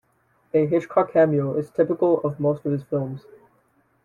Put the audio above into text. A Hitchcock cameo is typical of most of his films.